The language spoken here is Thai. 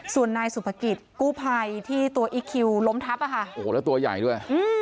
ส่วนนายสุภกิจกู้ภัยที่ตัวอีคคิวล้มทับอ่ะค่ะโอ้โหแล้วตัวใหญ่ด้วย